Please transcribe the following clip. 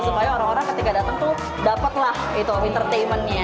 supaya orang orang ketika dateng tuh dapatlah itu entertainmentnya